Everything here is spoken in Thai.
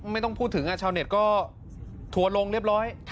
ไม่ต้องพูดถึงชาวเน็ตก็ทัวร์ลงเรียบร้อย